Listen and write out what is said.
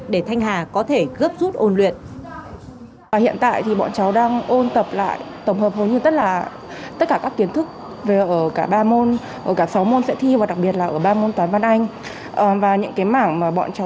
để thanh hà có thể gấp rút ôn luyện